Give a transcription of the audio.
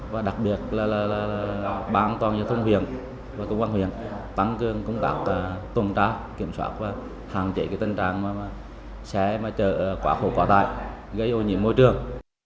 và đặc biệt là bản an toàn như thông huyền và công an huyền tăng cường công tác tồn trá kiểm soát và hạn chế tầng trạm xe mà chở quả hồ quả tải gây ô nhiễm bối trường